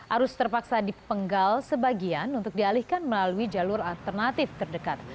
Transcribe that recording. arus terpaksa dipenggal sebagian untuk dialihkan melalui jalur alternatif terdekat